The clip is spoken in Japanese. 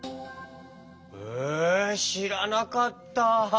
へえしらなかった。